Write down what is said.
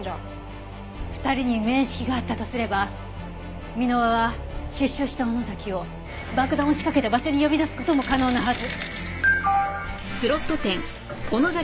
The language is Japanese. ２人に面識があったとすれば箕輪は出所した尾野崎を爆弾を仕掛けた場所に呼び出す事も可能なはず。